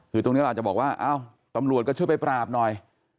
คือตรงนี้เราอาจจะบอกว่าเอ้าตำรวจก็ช่วยไปปราบหน่อย